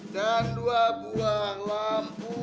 dan dua buah lampu